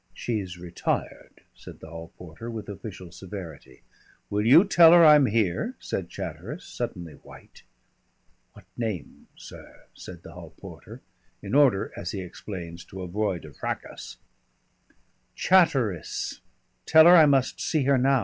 "She's retired," said the hall porter with official severity. "Will you tell her I'm here?" said Chatteris, suddenly white. "What name, sir?" said the hall porter, in order, as he explains, "to avoid a frackass." "Chatteris. Tell her I must see her now.